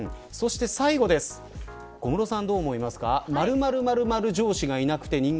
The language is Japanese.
小室さん、どう思いますか。